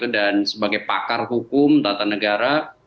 dan sebagai pakar hukum tata negara